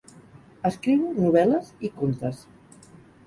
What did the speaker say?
Escriu novel·les i contes.